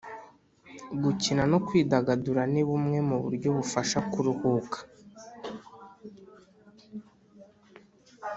gukina no kwidagadura ni bumwe mu buryo bufasha kuruhuka